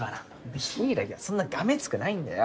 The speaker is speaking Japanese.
柊はそんながめつくないんだよ。